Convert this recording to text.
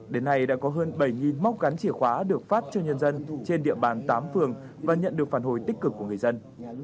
đến nay đã có hơn bảy móc gắn chìa khóa được phát cho nhân dân trên địa bàn tám phường và nhận được phản hồi tích cực của người dân